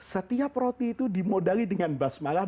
setiap roti itu dimodali dengan basmalan